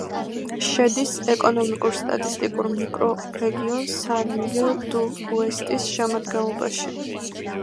შედის ეკონომიკურ-სტატისტიკურ მიკრორეგიონ სან-მიგელ-დუ-უესტის შემადგენლობაში.